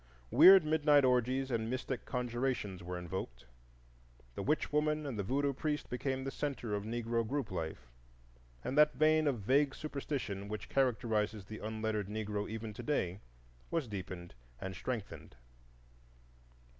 Weird midnight orgies and mystic conjurations were invoked, the witch woman and the voodoo priest became the centre of Negro group life, and that vein of vague superstition which characterizes the unlettered Negro even to day was deepened and strengthened.